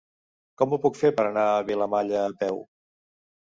Com ho puc fer per anar a Vilamalla a peu?